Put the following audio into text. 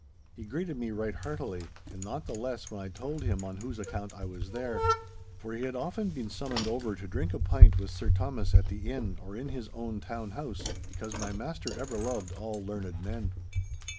He greeted me right heartily, and not the less when I told him on whose account I was there, for he had often been summoned over to drink a pint with Sir Thomas at the inn or in his own town house, because my master ever loved all learned men.